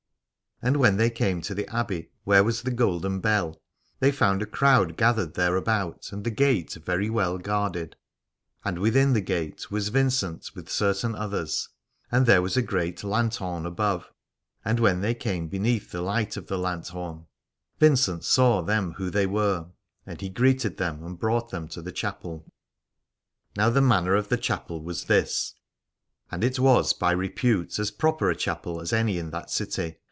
And when they came to the Abbey where was the Golden Bell, they found a crowd gathered thereabout, and the gate well guarded: and within the gate was Vincent with certain others. And there was a great lanthorn above, and when they came beneath the light of the lanthorn Vincent saw them who they were: and he greeted them and brought them to the Chapel. 171 Alad ore Now the manner of the chapel was this : and it was by repute as proper a chapel as any in that city.